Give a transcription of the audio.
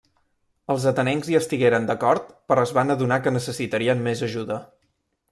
Els atenencs hi estigueren d'acord, però es van adonar que necessitarien més ajuda.